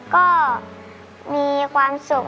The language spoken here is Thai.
ก็มีความสุข